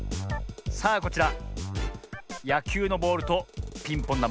さあこちらやきゅうのボールとピンポンだま